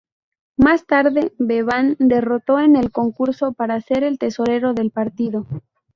Más tarde Bevan derrotó en el concurso para ser el tesorero del partido.